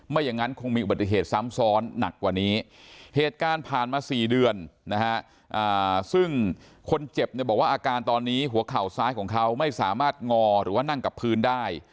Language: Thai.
ไม่อย่างงั้นคงมีบริเศษซ้ำซ้อนหนักกว่านี้